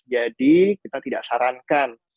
jadi kita tidak sarankan